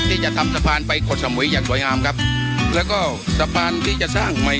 ที่จะทำสะพานไปกดสมุยอย่างสวยงามครับแล้วก็สะพานที่จะสร้างใหม่